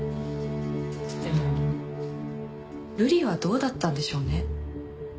でもルリはどうだったんでしょうね。